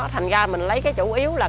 thành ra mình lấy cái chủ yếu là